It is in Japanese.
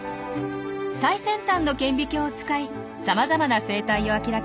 最先端の顕微鏡を使いさまざまな生態を明らかにしてきました。